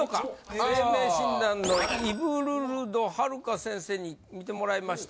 姓名診断のイヴルルド遙華先生にみてもらいました。